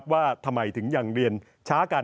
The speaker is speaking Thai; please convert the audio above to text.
ว่าทำไมถึงยังเรียนช้ากัน